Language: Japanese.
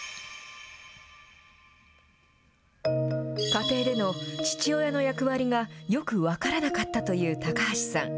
家庭での父親の役割が、よく分からなかったという高橋さん。